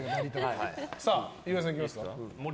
岩井さん、いきますか。